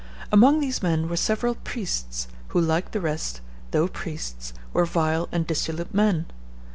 Among these men were several priests, who, like the rest, though priests, were vile and dissolute men.